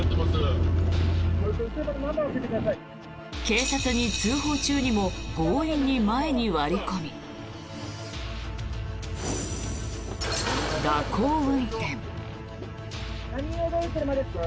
警察に通報中にも強引に前に割り込み、蛇行運転。